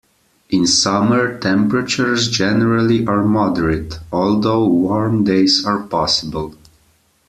In summer temperatures generally are moderate, although warm days are possible.